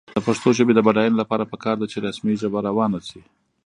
د پښتو ژبې د بډاینې لپاره پکار ده چې رسمي ژبه روانه شي.